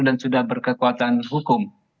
sudah berkekuatan hukum